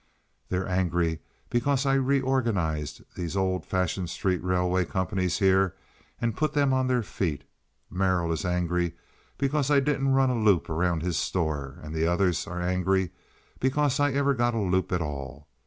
They're angry because I reorganized these old fashioned street railway companies here and put them on their feet. Merrill is angry because I didn't run a loop around his store, and the others are angry because I ever got a loop at all.